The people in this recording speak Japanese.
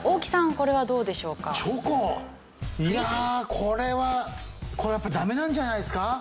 いやあこれはこれはやっぱダメなんじゃないですか？